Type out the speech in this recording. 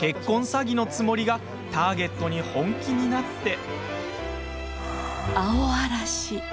詐欺のつもりがターゲットに本気になって。